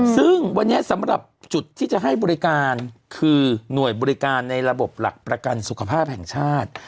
ซึ่งวันนี้สำหรับจุดที่จะให้บริการคือหน่วยบริการในระบบหลักประกันสุขภาพแห่งชาติ